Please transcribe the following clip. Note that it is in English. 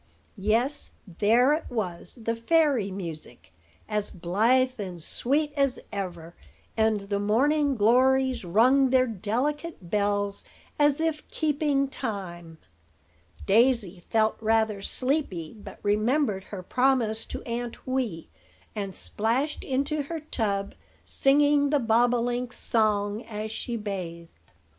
Yes, there it was, the fairy music, as blithe and sweet as ever; and the morning glories rung their delicate bells as if keeping time. Daisy felt rather sleepy, but remembered her promise to Aunt Wee, and splashed into her tub, singing the bob o link's song as she bathed.